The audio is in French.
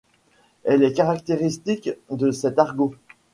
Elle est caractéristique de cet argot.